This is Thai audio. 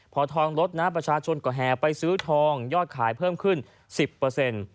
พอทองลดนะประชาชนก็แห่ไปซื้อทองยอดขายเพิ่มขึ้น๑๐เปอร์เซ็นต์